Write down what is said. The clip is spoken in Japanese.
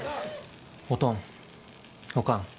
おとんおかん。